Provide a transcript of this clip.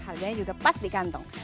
harganya juga pas di kantong